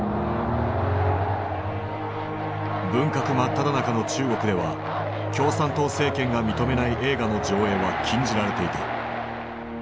文革真っただ中の中国では共産党政権が認めない映画の上映は禁じられていた。